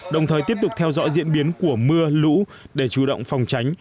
đồng thời tiếp tục theo dõi diễn biến của mưa lũ để chủ động phòng tránh